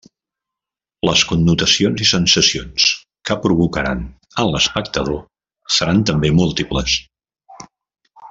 Les connotacions i sensacions que provocaran en l'espectador seran també múltiples.